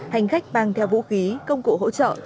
hành khách mang theo vũ khí công cụ hỗ trợ